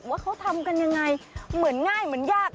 ว่าเขาทำกันยังไงเหมือนง่ายเหมือนยาก